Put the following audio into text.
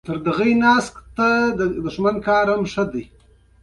هغوی یوځای د سپوږمیز لرګی له لارې سفر پیل کړ.